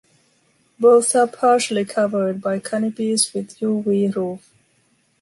Both are partially covered by canopies with UV roof.